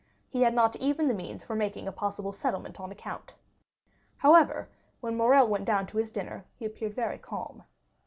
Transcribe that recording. He had not even the means for making a possible settlement on account. However, when Morrel went down to his dinner, he appeared very calm.